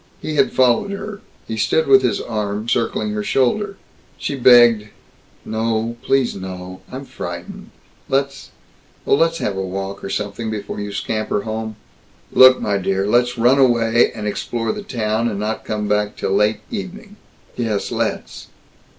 He had followed her; he stood with his arm circling her shoulder. She begged, "No. Please no. I'm frightened. Let's oh, let's have a walk or something before you scamper home." "Look! My dear! Let's run away, and explore the town, and not come back till late evening." "Yes. Let's."